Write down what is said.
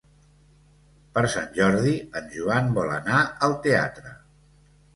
Per Sant Jordi en Joan vol anar al teatre.